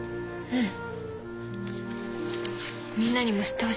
うん。